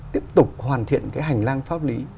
tiếp tục hoàn thiện cái hành lang pháp lý